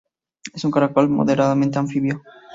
Es un caracol moderadamente anfibio.